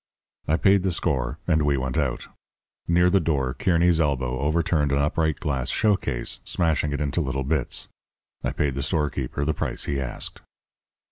"I paid the score, and we went out. Near the door Kearny's elbow overturned an upright glass showcase, smashing it into little bits. I paid the storekeeper the price he asked.